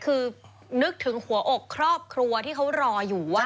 คือนึกถึงหัวอกครอบครัวที่เขารออยู่ว่า